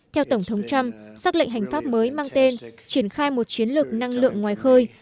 theo tổng thống trump xác lệnh hành pháp mới mang tên triển khai một chiến lược năng lượng ngoài khơi